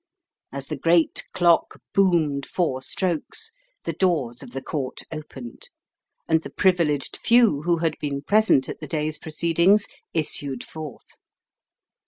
As the great clock boomed four strokes, the doors of the Court opened, and the privileged few who had been present at the day's proceedings issued forth.